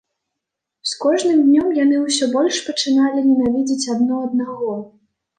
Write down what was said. З кожным днём яны ўсё больш пачыналі ненавідзець адно аднаго.